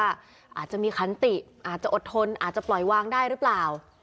อาจจะมีขันติอาจจะอดทนอาจจะปล่อยวางได้หรือเปล่า